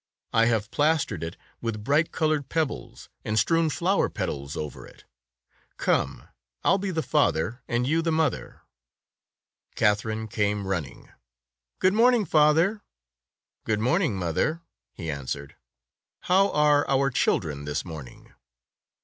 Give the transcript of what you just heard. I have plastered it with bright colored pebbles, and strewn flower petals over it. Come, I'll be the father, and you the mother." Katherine came running. "Good morn ing, father." "Good morning, mother," he answered. "How are our children this morning?"